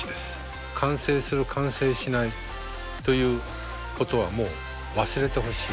完成する完成しないということはもう忘れてほしい。